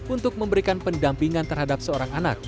untuk memberikan pendampingan terhadap seorang anak